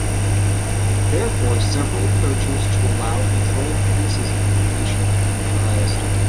Therefore, several approaches to allow controlled releases of information have been devised.